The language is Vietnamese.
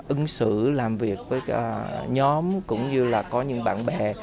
ứng xử làm việc với nhóm cũng như là có những bạn bè